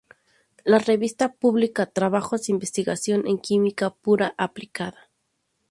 La revista publica trabajos de investigación en química pura y aplicada.